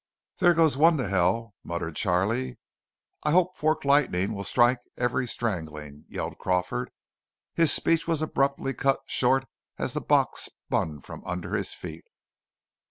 "There goes one to hell!" muttered Charley. "I hope forked lightning will strike every strangling " yelled Crawford. His speech was abruptly cut short as the box spun from under his feet.